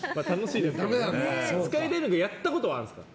スカイダイビングやったことはあるんですか？